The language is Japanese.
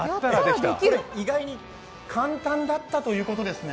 意外に簡単だったということですね。